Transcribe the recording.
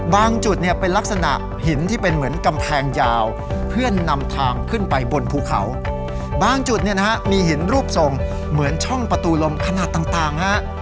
จุดเนี่ยเป็นลักษณะหินที่เป็นเหมือนกำแพงยาวเพื่อนำทางขึ้นไปบนภูเขาบางจุดเนี่ยนะฮะมีหินรูปทรงเหมือนช่องประตูลมขนาดต่างฮะ